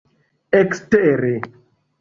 ekstere